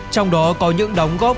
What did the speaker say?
trong đó có những đóng góp